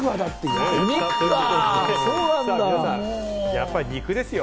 やっぱり肉ですよ。